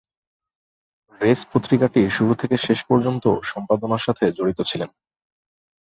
Reis পত্রিকাটির শুরু থেকে শেষ পর্যন্ত সম্পাদনার সাথে জড়িত ছিলেন।